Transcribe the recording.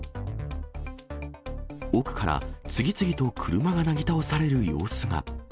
奥から次々と車がなぎ倒される様子が。